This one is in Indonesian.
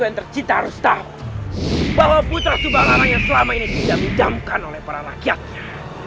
yang tercinta harus tahu bahwa putra subalana yang selama ini tidak dijamkan oleh para rakyatnya